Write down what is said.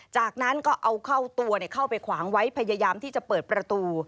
จากนั้นก็เอาเข้าตัวเข้าไปขวางไว้พยายามที่จะเปิดประตู